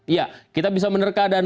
ya kita bisa menerka dan